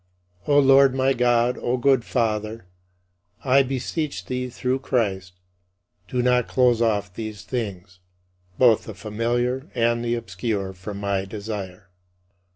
O Lord my God, O good Father, I beseech thee through Christ, do not close off these things, both the familiar and the obscure, from my desire.